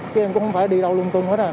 thì em cũng không phải đi đâu lung tung hết à